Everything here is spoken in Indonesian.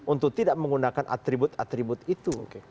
untuk tidak menggunakan atribut atribut itu